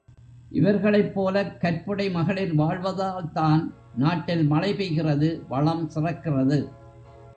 இவர்களைப் போலக் கற்புடை மகளிர் வாழ் வதால்தான் நாட்டில் மழை பெய்கிறது வளம் சிறக்கிறது.